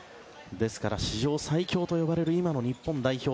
ですから史上最強と呼ばれる今の日本代表。